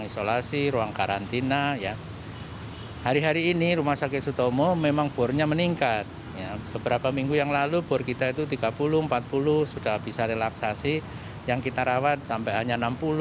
enam puluh sudah bisa relaksasi yang kita rawat sampai hanya enam puluh tujuh puluh